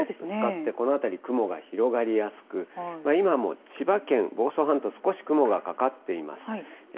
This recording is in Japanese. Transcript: ぶつかってこの辺り、雲が広がりやすく、今も千葉県房総半島、少し雲がかかっています。